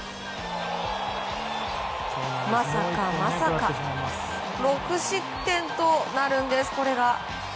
まさか、まさか６失点となるんです、これが。